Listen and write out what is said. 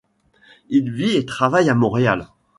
Il vit et travaille à Montréal.